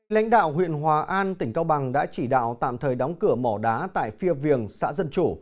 lãnh đạo huyện hòa an tỉnh cao bằng đã chỉ đạo tạm thời đóng cửa mỏ đá tại phía viềng xã dân chủ